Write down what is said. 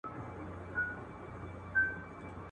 پرون زېری سو د سولي چا کرار پوښتنه وکړه.